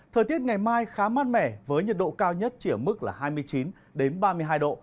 thời tiết ngày mai khá mát mẻ với nhiệt độ cao nhất chỉ ở mức là hai mươi chín ba mươi hai độ